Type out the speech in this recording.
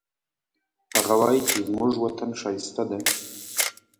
هغه وایي چې زموږ وطن ښایسته ده